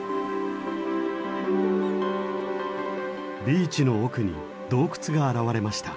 ビーチの奥に洞窟が現れました。